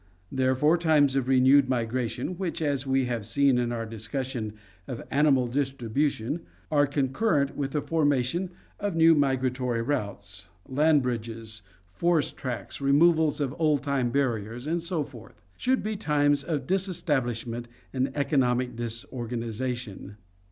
Therefore times of renewed mi gration, which, as we have seen in our discussion of animal distri bution, are concurrent with the formation of new migratory routes — land bridges, forest tracts, removal of old time barriers, and so forth — should be times of disestablishment and economic disorgani zation.